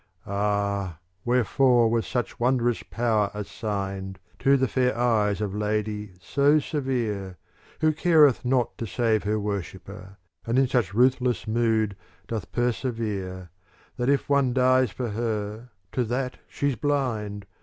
Ah ! wherefore was such wondrous power assigned To the fair eyes of lady so severe, *" Who careth not to save her worshipper, And in such ruthless mood doth persevere. That if one dies for her, to that she's blind.